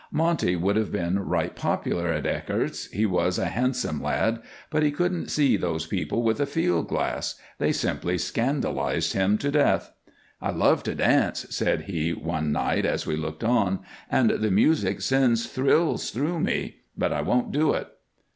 Monty would have been right popular at Eckert's he was a handsome lad but he couldn't see those people with a field glass. They simply scandalized him to death. "I love to dance," said he, one night, as we looked on, "and the music sends thrills through me, but I won't do it."